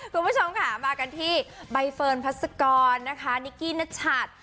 คุณผู้ชมค่ะมากันที่ใบเฟิร์นพัศกรนะคะนิกกี้นัชัด